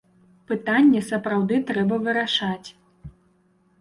Пытанне сапраўды трэба вырашаць.